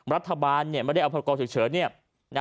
รัฐบาลไม่ได้เอาพรกรฉุกเฉิน